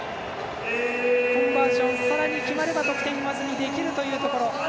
コンバージョン、さらに決まれば得点に上積みできるというところ。